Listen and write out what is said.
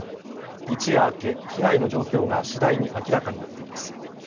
一夜明け被害の状況が次第に明らかになっています。